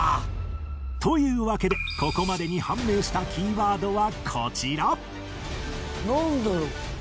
というわけでここまでに判明したキーワードはこちらなんだろう？